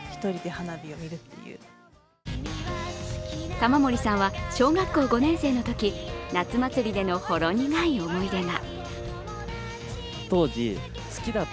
玉森さんは小学校５年生のとき夏祭りでのほろ苦い思い出が。